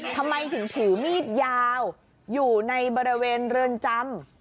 ทำไมถึงถือมีดยาวอยู่ในบริเวณเรือนจำ